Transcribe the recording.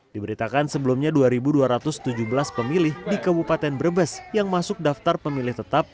diberitakan sebelumnya dua dua ratus tujuh belas pemilih di kabupaten brebes yang masuk daftar pemilih tetap